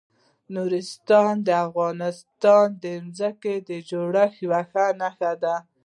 نورستان د افغانستان د ځمکې د جوړښت یوه ښه نښه ده.